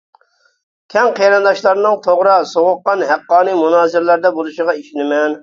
كەڭ قېرىنداشلارنىڭ توغرا، سوغۇققان، ھەققانىي مۇنازىرىلەردە بولۇشىغا ئىشىنىمەن.